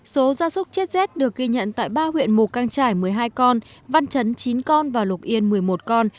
số gia súc chết rét được ghi nhận tại ba huyện mù căng trải một mươi hai con văn chấn chín con và lục yên một mươi một con